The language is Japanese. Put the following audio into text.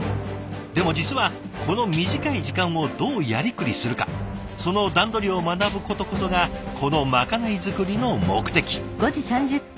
でも実はこの短い時間をどうやりくりするかその段取りを学ぶことこそがこのまかない作りの目的。